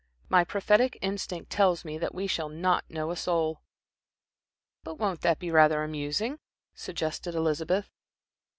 My prophetic instinct tells me that we shall not know a soul." "But won't that be rather amusing," suggested Elizabeth.